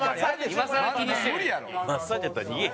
今更気にしてる。